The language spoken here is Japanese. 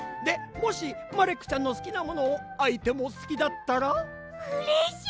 でもしマレックちゃんのすきなものをあいてもすきだったら。